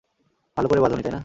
ভালো করে বাঁধোনি, তাই না?